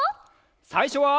さいしょは。